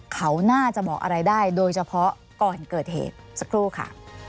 เขาน่าจะบอกอะไรได้โดยเฉพาะก่อนเกิดเหตุสักครู่ค่ะ